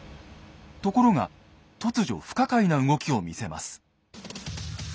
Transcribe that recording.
ところが突如不可解な動きを見せます。